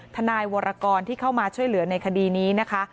ทนายวรกรที่เข้ามาช่วยเหลือในคดีนี้นะคะ